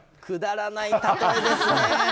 くだらない例えですね！